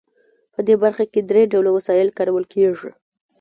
په دې برخه کې درې ډوله وسایل کارول کیږي.